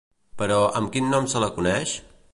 Però, amb quin nom se la coneix?